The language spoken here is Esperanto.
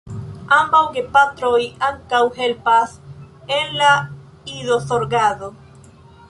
Ambaŭ gepatroj ankaŭ helpas en la idozorgado.